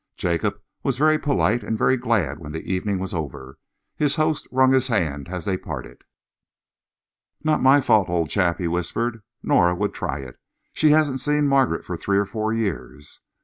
Jacob was very polite and very glad when the evening was over. His host wrung his hand as they parted. "Not my fault, old chap," he whispered. "Nora would try it. She hadn't seen Margaret for three or four years."